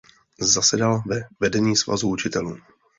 Zasedal ve vedení Svazu učitelů.